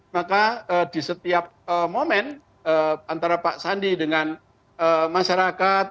maka di setiap momen antara pak sandi dengan masyarakat